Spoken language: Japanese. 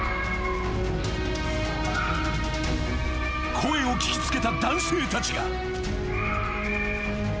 ［声を聞き付けた男性たちが］